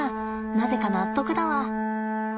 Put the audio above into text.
なぜか納得だわ。